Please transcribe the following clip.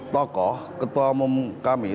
tokoh ketua umum kami